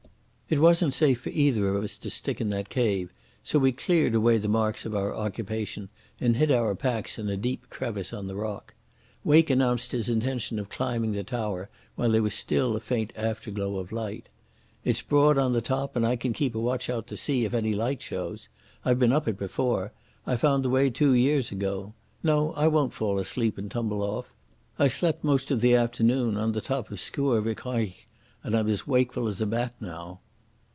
It wasn't safe for either of us to stick in that cave, so we cleared away the marks of our occupation, and hid our packs in a deep crevice on the rock. Wake announced his intention of climbing the tower, while there was still a faint afterglow of light. "It's broad on the top, and I can keep a watch out to sea if any light shows. I've been up it before. I found the way two years ago. No, I won't fall asleep and tumble off. I slept most of the afternoon on the top of Sgurr Vhiconnich, and I'm as wakeful as a bat now."